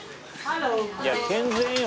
いや健全よ。